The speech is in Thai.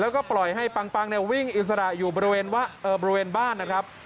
แล้วก็ปล่อยให้ปังวิ่งอิสระอยู่บริเวณบ้านนะครับ